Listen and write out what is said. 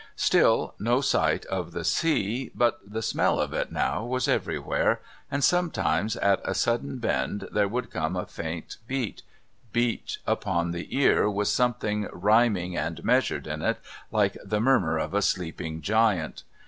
Still no sight of the sea, but the smell of it now was everywhere, and sometimes at a sudden bend there would come a faint beat, beat upon the ear with something rhyming and measured in it, like the murmur of a sleeping giant.